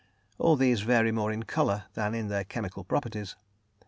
All these vary more in colour than in their chemical properties.